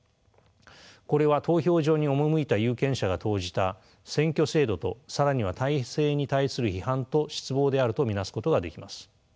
これは投票所に赴いた有権者が投じた選挙制度と更には体制に対する批判と失望であると見なすことができます。